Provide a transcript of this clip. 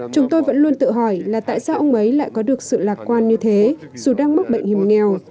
chúng tôi vẫn luôn tự hỏi là tại sao ông ấy lại có được sự lạc quan như thế dù đang mắc bệnh hiểm nghèo